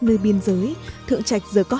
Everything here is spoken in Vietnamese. nơi biên giới thượng trạch giờ có